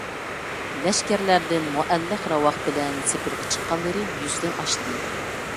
لەشكەرلەردىن مۇئەللەق راۋاق بىلەن سېپىلغا چىققانلىرى يۈزدىن ئاشتى.